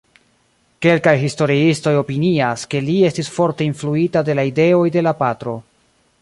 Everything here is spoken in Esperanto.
Kelkaj historiistoj opinias, ke li estis forte influita de la ideoj de la patro.